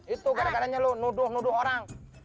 itu gara garanya lu nuduh nuduh orang